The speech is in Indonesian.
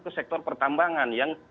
ke sektor pertambangan yang